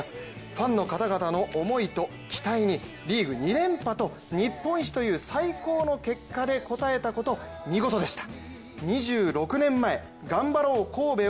ファンの方々の思いと期待にリーグ２連覇と、日本一という最高の結果で応えたこと見事でした。